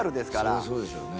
そりゃそうでしょうね。